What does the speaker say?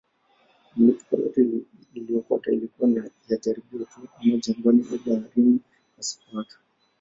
Milipuko yote iliyofuata ilikuwa ya jaribio tu, ama jangwani au baharini pasipo watu.